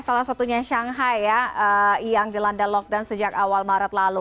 salah satunya shanghai ya yang dilanda lockdown sejak awal maret lalu